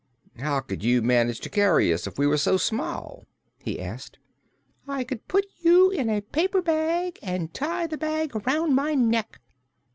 "How could you manage to carry us, if we were so small?" he asked. "I could put you in a paper bag, and tie the bag around my neck."